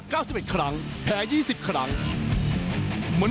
ก็รอดูบนเพธีด้วยครับ